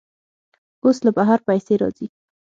اوس له بهر پیسې راځي.